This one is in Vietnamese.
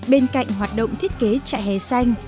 bên cạnh hoạt động thiết kế trại hè xanh